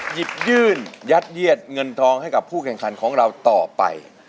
หยิบยื่นยัดเยียดเงินทองให้กับผู้แข่งขันของเราต่อไป